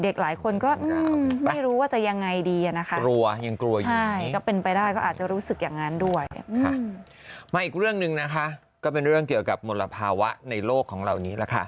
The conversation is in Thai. เด็กหลายคนก็ไม่รู้ว่าจะอย่างไรดี